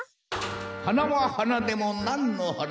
はなははなでもなんのはな。